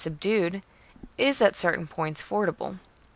subdued, is, at certain points, fordable.